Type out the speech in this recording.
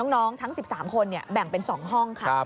ทั้ง๑๓คนแบ่งเป็น๒ห้องค่ะ